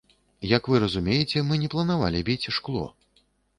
Як вы разумееце, мы не планавалі біць шкло.